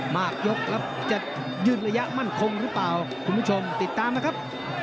มากยกแล้วจะยืดระยะมั่นคงหรือเปล่าคุณผู้ชมติดตามนะครับ